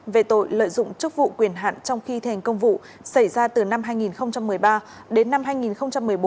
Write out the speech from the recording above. về tội lợi dụng chức vụ quyền hạn trong khi thành công vụ xảy ra từ năm hai nghìn một mươi ba đến năm hai nghìn một mươi bốn